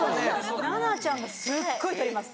奈々ちゃんがすっごい撮ります。